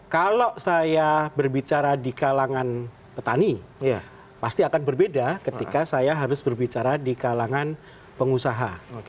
kalau saya berbicara di kalangan petani pasti akan berbeda ketika saya harus berbicara di kalangan pengusaha